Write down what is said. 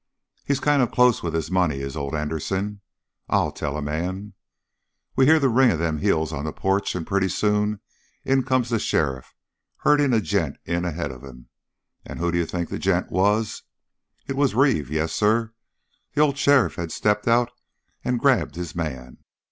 He's kind of close with his money is old Anderson, I'll tell a man! We hear the ring of them heels on the porch, and pretty soon in comes the sheriff, herding a gent in ahead of him. And who d'you think that gent was? It was Reeve! Yes, sir, the old sheriff had stepped out and grabbed his man.